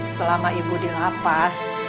selama ibu dilapas